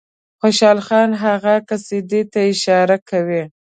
خوشحال خان هغه قصیدې ته اشاره کوي.